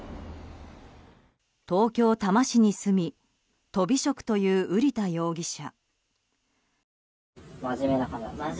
東京・多摩市に住みとび職という瓜田容疑者。